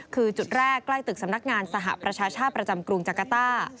คือจุดแรกใกล้ตึกสำนักงานสหประชาชาติประจำกรุงจักรต้า